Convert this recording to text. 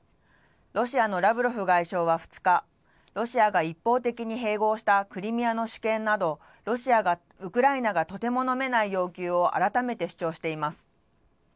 ロシアのラブロフ外相は２日、ロシアが一方的に併合したクリミアの主権など、ロシアが、ウクライナがとてものめない要求を改めて主張しています。